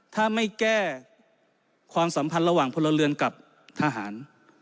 ถ้าไม่แก้ความสัมพันธ์ระหว่างพลเรือนกับทหาร